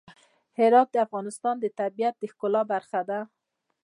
هرات د افغانستان د طبیعت د ښکلا برخه ده.